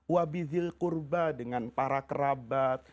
wa'bidhil qurba dengan para kerabat